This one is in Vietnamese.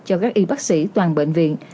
cho các y bác sĩ toàn bệnh viện